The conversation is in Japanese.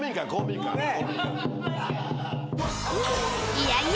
［いやいや。